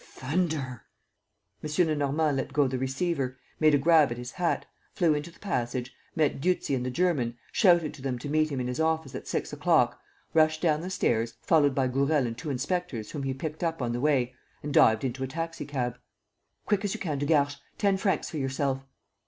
"Thunder!" M. Lenormand let go the receiver, made a grab at his hat, flew into the passage, met Dieuzy and the German, shouted to them to meet him in his office at six o'clock, rushed down the stairs, followed by Gourel and two inspectors whom he picked up on the way, and dived into a taxi cab: "Quick as you can to Garches ... ten francs for yourself!"